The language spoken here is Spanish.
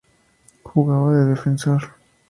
Jugaba de defensor.